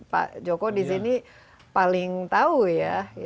pak joko di sini paling tahu ya